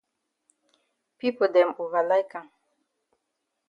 Pipo dem ova like am.